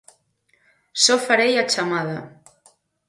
Só farei a chamada.